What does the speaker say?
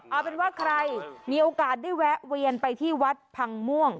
เอาเป็นว่าใครมีโอกาสได้แวะเวียนไปที่วัดพังม่วง